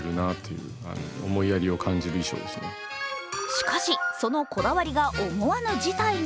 しかし、そのこだわりが思わぬ事態に